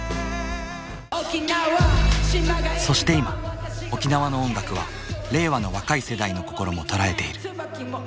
そして今沖縄の音楽は令和の若い世代の心も捉えている。